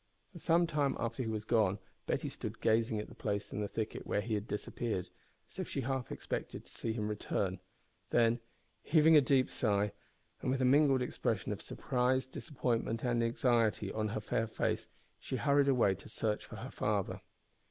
For some time after he was gone Betty stood gazing at the place in the thicket where he had disappeared, as if she half expected to see him return; then, heaving a deep sigh, and with a mingled expression of surprise, disappointment, and anxiety on her fair face, she hurried away to search for her father.